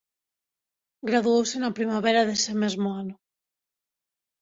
Graduouse na primavera dese mesmo ano.